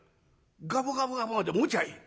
ガブガブガブまでもちゃいい。